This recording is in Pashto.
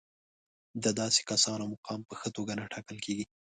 د داسې کسانو مقام په ښه توګه نه ټاکل کېږي.